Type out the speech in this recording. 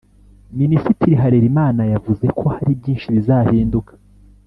Minisitiri Harelimana yavuze ko hari byinshi bizahinduka